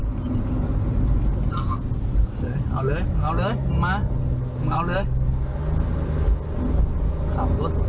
มีคนมากไหมครับ